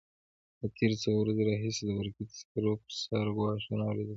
له تېرو څو ورځو راهیسې د برقي تذکرو پر سر ګواښونه اورېدل کېږي.